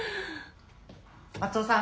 松尾さん